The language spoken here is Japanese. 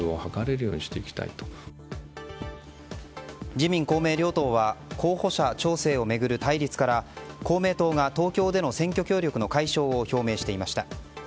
自民・公明両党は候補者調整を巡る対立から公明党が東京での選挙協力の解消を表明していました。